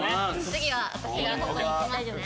次は私がここにいきますね。